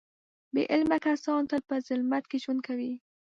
بې علمه کسان تل په ظلمت کې ژوند کوي.